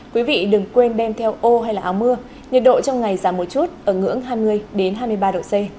quý vị đừng quên đem theo ô hay là áo mưa nhiệt độ trong ngày giảm một chút ở ngưỡng hai mươi hai mươi ba độ c